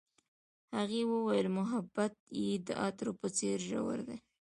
هغې وویل محبت یې د عطر په څېر ژور دی.